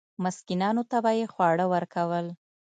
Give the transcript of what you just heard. مسکینانو ته به یې خواړه ورکول.